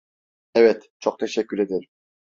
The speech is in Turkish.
Evet, çok teşekkür ederim.